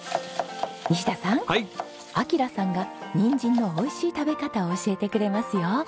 西田さん明さんがニンジンのおいしい食べ方を教えてくれますよ。